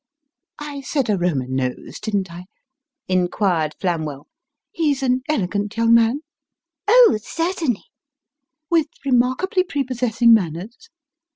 " I said a Roman nose, didn't I ?" inquired Flamwell. " He's an elegant young man ?"" Oh, certainly." " With remarkably prepossessing manners